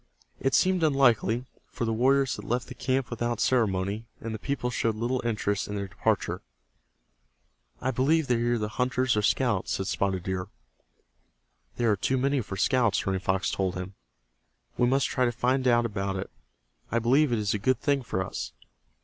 It seemed unlikely, for the warriors had left the camp without ceremony, and the people showed little interest in their departure. "I believe they are either hunters or scouts," said Spotted Deer. "There are too many for scouts," Running Fox told him. "We must try to find out about it I believe it is a good thing for us.